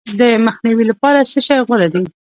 د مخنیوي لپاره څه شی غوره دي؟